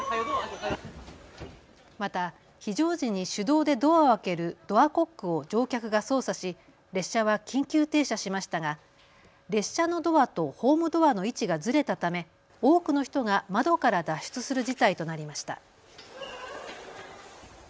また非常時に手動でドアを開けるドアコックを乗客が操作し列車は緊急停車しましたが列車のドアとホームドアの位置がずれたため多くの人が窓から脱出する事態となりました。